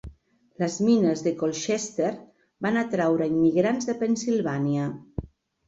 Les mines de Colchester van atraure immigrants de Pennsilvània.